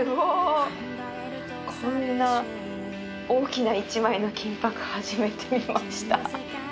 こんな大きな１枚の金箔初めて見ました。